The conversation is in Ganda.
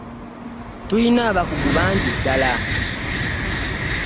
Tulina abakugu abangi ddala.